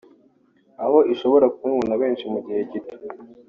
aho ishobora kubonwa na benshi mu gihe gito